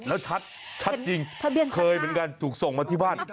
แล้วชัดชัดจริงทะเบียนเคยเหมือนกันถูกส่งมาที่บ้าน